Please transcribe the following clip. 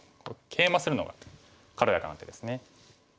ケイマするのが軽やかな手ですね。